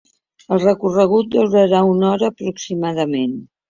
El recorregut durarà una hora aproximadament.